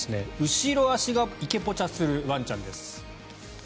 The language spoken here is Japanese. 後ろ足が池ポチャするワンちゃんです。